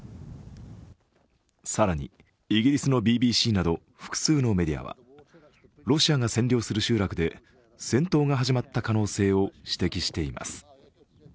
更にイギリスのＢＢＣなど複数のメディアはロシアが占領する集落で戦闘が始まった可能性を指摘しています。